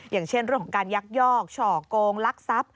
อย่างเช่นรูปของการยักษ์ยอกฉ่อโกงลักษัพ